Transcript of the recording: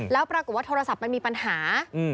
แล้วปรากฏว่าโทรศัพท์มันมีปัญหา